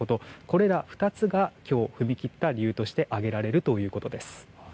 これら２つが今日、踏み切った理由として挙げられるということです。